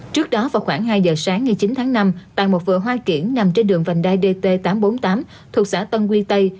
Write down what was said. trước đó vào khoảng hai giờ sáng ngày chín tháng năm tại một vựa hoa kiển nằm trên đường vành đai dt tám trăm bốn mươi tám thuộc xã tân quy tây